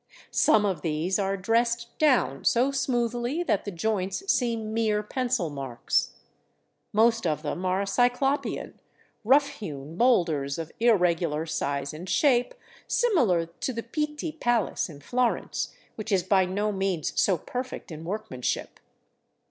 Some of these are *' dressed down " so smoothly that the joints seem mere pencil marks. Most of them are Cyclopean, rough hewn boulders of irregular size and shape, similar to the Pitti Palace in Florence, which is by no means so perfect in workmanship.